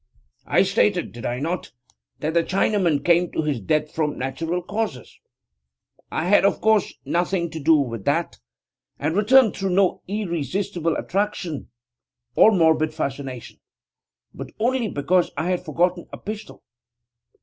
'I stated, did I not, that the Chinaman came to his death from natural causes? I had, of course, nothing to do with that, and returned through no irresistible attraction, or morbid fascination, but only because I had forgotten a pistol.